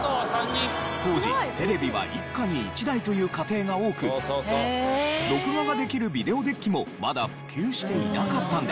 当時テレビは一家に１台という家庭が多く録画ができるビデオデッキもまだ普及していなかったんです。